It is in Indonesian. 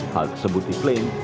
hal tersebut diflame